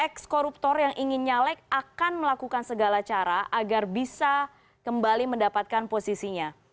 ex koruptor yang ingin nyalek akan melakukan segala cara agar bisa kembali mendapatkan posisinya